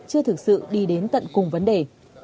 chưa thực sự đi đến tận cùng vấn đề